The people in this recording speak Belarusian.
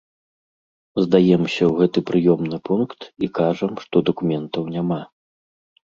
Здаемся ў гэты прыёмны пункт і кажам, што дакументаў няма.